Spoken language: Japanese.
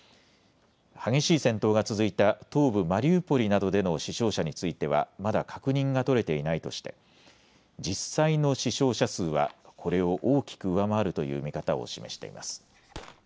激しい戦闘が続いた東部マリウポリなどでの死傷者についてはまだ確認が取れていないとして実際の死傷者数はこれを大きく上回るという見方を示しています。